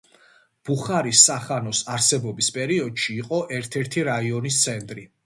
ბუხარის სახანოს არსებობის პერიოდში იყო ერთ-ერთი რაიონის ცენტრი.